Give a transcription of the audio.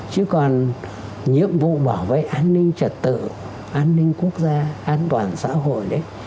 chứ còn nhiệm vụ bảo vệ an ninh trật tự an ninh quốc gia an toàn xã hội đấy